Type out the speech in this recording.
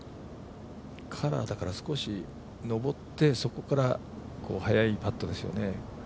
カラーだから、少し上って、そこから少し速いパットですよね。